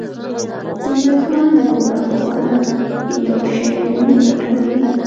زلمی خان د خوراک لپاره به یو شی و نه لټوې؟